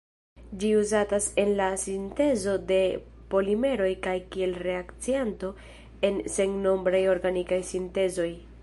Ĝi uzatas en la sintezo de polimeroj kaj kiel reakcianto en sennombraj organikaj sintezoj.